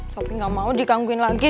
sopi gak mau digangguin lagi